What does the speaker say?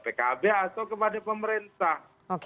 pkb atau kepada pemerintah